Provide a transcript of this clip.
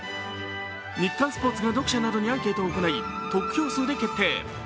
「日刊スポーツ」が読者などにアンケートを行い、得票数で決定。